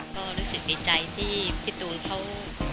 ก็รู้สึกดีใจที่พี่ตูนเขา